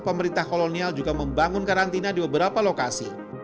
pemerintah kolonial juga membangun karantina di beberapa lokasi